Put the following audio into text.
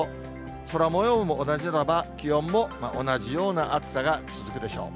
空もようも同じならば、気温も同じような暑さが続くでしょう。